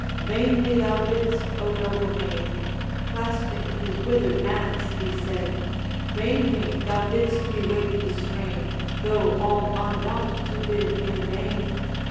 'Vainly thou bidst, O noble maid,' Clasping his withered hands, he said, 'Vainly thou bidst me wake the strain, Though all unwont to bid in vain.